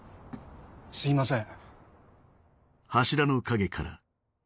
・すいません